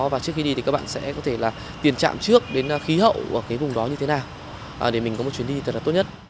và trước khi đi thì các bạn sẽ có thể là tiền chạm trước đến khí hậu ở cái vùng đó như thế nào để mình có một chuyến đi thật là tốt nhất